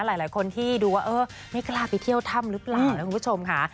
หลายคนที่ดูว่าเออไม่กล้าไปเที่ยวถ้ำหรือเปล่านะคุณผู้ชมค่ะ